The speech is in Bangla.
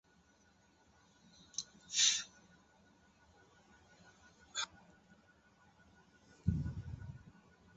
লাঠি-ছোরা খেলার ক্লাব প্রতিষ্ঠা করেন এবং কর্মীদের প্রশিক্ষণ দিয়ে স্বদেশী আন্দোলনে যোগদানের জন্য প্রস্তুত করেন।